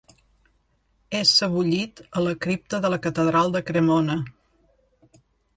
És sebollit a la cripta de la catedral de Cremona.